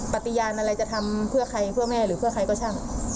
ปฏิญาณอะไรจะทำเพื่อใครเพื่อแม่หรือเพื่อใครก็ช่าง